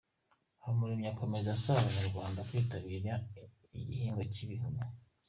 Habumuremyi akomeza asaba abanyarwanda kwitabira igihingwa cy’ibihumyo.